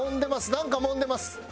なんかもんでます。